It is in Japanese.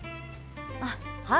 あっはい。